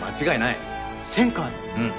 うん。